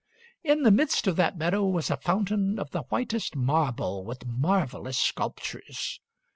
In the midst of that meadow was a fountain of the whitest marble with marvelous sculptures.